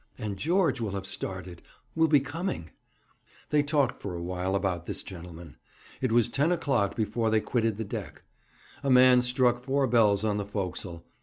'And George will have started will be coming.' They talked for a little while about this gentleman. It was ten o'clock before they quitted the deck. A man struck four bells on the forecastle.